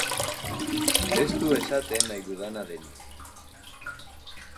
Ez du esaten nahi dudana denik.